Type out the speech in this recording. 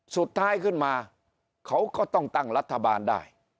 สุดท้ายขึ้นมาเขาก็ต้องตั้งรัฐบาลได้